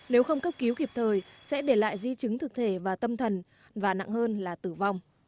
nếu không cấp cứu kịp thời sẽ để lại di chứng thực thể và tâm thần và nặng hơn là tử vong